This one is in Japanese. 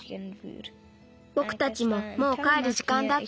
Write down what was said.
ぼくたちももうかえるじかんだったしね。